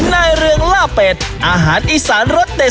ในเรวกล่าเป็ดอาหารอีสานรสไป